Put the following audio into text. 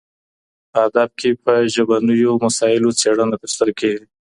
په ادب کې په ژبنیو مسایلو څېړنه ترسره کیږي.